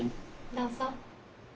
どうぞ。